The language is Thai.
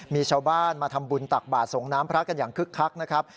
มีชาวบ้านมาทำบุญตักบาทส่งน้ำพระกันอย่างคึกคักนะครับ